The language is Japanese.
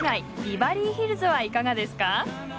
ビバリーヒルズはいかがですか？